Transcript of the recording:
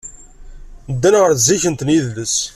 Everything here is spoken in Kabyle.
Ddan ɣer tzikkent n yidlisen.